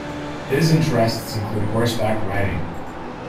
His interests include horseback riding.